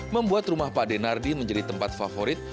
membuat rumah pak denardi menjadi tempat favorit